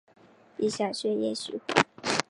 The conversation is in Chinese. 影响血液循环